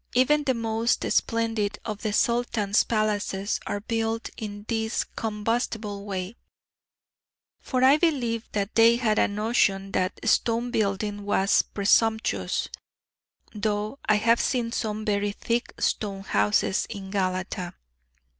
Even the most splendid of the Sultan's palaces are built in this combustible way: for I believe that they had a notion that stone building was presumptuous, though I have seen some very thick stone houses in Galata.